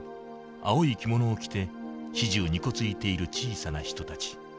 青い着物を着て始終にこついている小さな人たち。